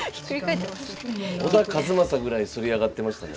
小田和正ぐらい反り上がってましたね。